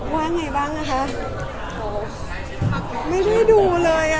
ว่าไงบ้างอ่ะคะไม่ได้ดูเลยอ่ะ